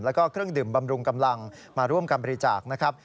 แล้วก็เครื่องดื่มบำรุงกำลังมาร่วมกันบริจาคนะครับ